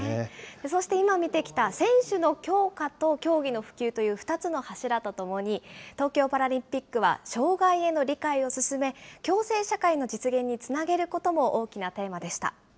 そして今、見てきた選手の強化と競技の普及という２つの柱とともに、東京パラリンピックは障害への理解を進め、共生社会の実現につなげることも大きなテーマでした。